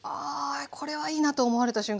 これはいいなと思われた瞬間は？